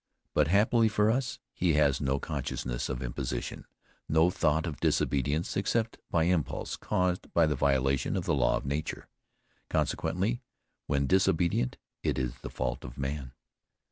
But happily for us, he has no consciousness of imposition, no thought of disobedience except by impulse caused by the violation of the law of nature. Consequently when disobedient it is the fault of man.